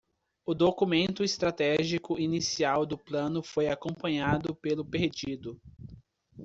O documento estratégico inicial do plano foi acompanhado pelo pedido.